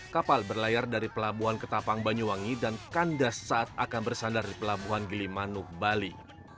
kapal berlayar dari pelabuhan ketapang banyuwangi dan kandas saat akan bersandar di pelabuhan gilimanuh bali